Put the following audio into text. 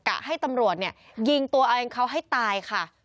กะให้ตำรวจเนี่ยยิงตัวเองเขาให้ตายค่ะ